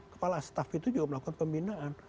kepala staff itu juga melakukan pembinaan